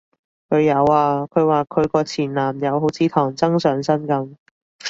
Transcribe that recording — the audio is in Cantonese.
佢有啊，佢話佢個前男友好似唐僧上身噉